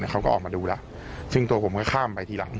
เขาก็ออกมาดูแล้วซึ่งตัวผมก็ข้ามไปทีหลัง